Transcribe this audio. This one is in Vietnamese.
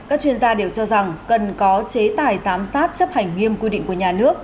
các chuyên gia đều cho rằng cần có chế tài giám sát chấp hành nghiêm quy định của nhà nước